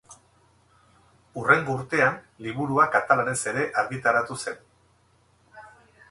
Hurrengo urtean liburua katalanez ere argitaratu zen.